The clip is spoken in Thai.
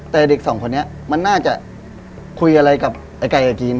แต่เด็กสองคนนี้มันน่าจะคุยอะไรกับไอ้ไก่กับจีน